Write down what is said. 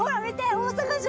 大阪城！